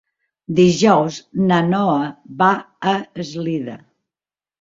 Dijous na Noa va a Eslida.